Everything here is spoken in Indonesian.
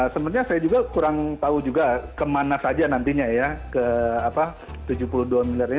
sebenarnya saya juga kurang tahu juga kemana saja nantinya ya ke tujuh puluh dua miliar ini